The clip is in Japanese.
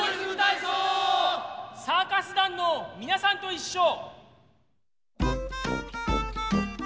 サーカス団のみなさんといっしょ！